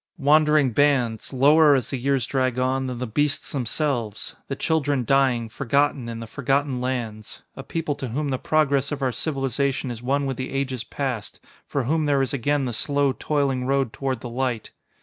wandering bands, lower, as the years drag on, than the beasts themselves; the children dying, forgotten, in the forgotten lands; a people to whom the progress of our civilization is one with the ages past, for whom there is again the slow, toiling road toward the light.